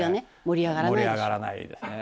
盛り上がらないですね。